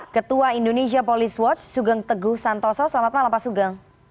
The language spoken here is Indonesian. ketua indonesia police watch sugeng teguh santoso selamat malam pak sugeng